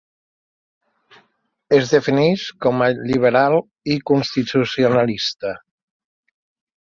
Es defineix com a liberal i constitucionalista.